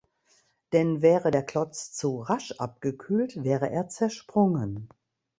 Denn wäre der Klotz zu rasch abgekühlt, wäre er zersprungen.